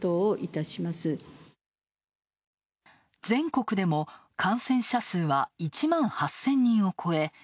全国でも感染者数は１万８０００人を超え